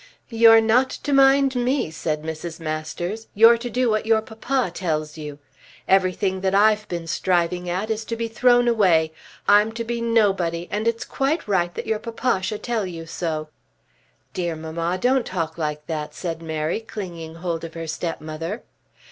"You're not to mind me," said Mrs. Masters. "You're to do what your papa tells you. Everything that I've been striving at is to be thrown away. I'm to be nobody, and it's quite right that your papa should tell you so." "Dear mamma, don't talk like that," said Mary, clinging hold of her stepmother.